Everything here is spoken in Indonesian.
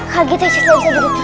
kak gita cisla bisa duduk